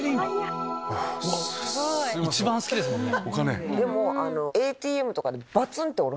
一番好きですもんね。